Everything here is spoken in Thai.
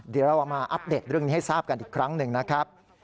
เดี๋ยวเราเอามาอัปเดตเรื่องนี้ให้ทราบกันอีกครั้งหนึ่งนะครับ